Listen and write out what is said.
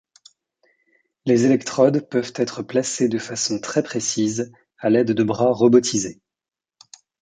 Les électrodes peuvent être placées de façon très précises à l'aide de bras robotisés.